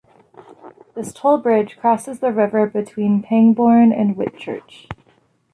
This toll bridge crosses the river between Pangbourne and Whitchurch.